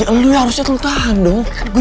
ya lu ya harusnya tuh tahan dong